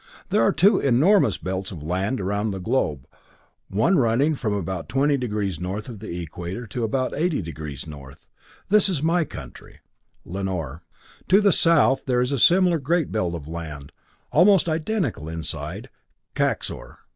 There are two enormous belts of land around the globe, one running from about 20 degrees north of the equator to about 80 degrees north. This is my country, Lanor. To the south there is a similar great belt of land, of almost identical size, Kaxor.